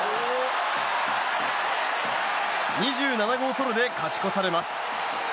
２７号ソロで勝ち越されます。